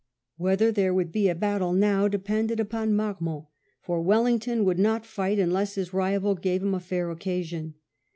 Whether there would be a battle now depended upon Marmont, for Wellington would not fight unless his rival gave him a fair occasion.